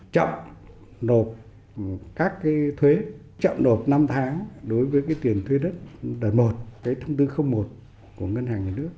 chậm nộp các thuế chậm nộp năm tháng đối với tiền thuế đất đầy một cái thông tư không một của ngân hàng nhà nước